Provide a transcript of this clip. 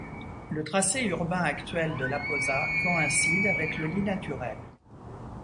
Le tracé urbain actuel de l'Aposa coïncide avec le lit naturel.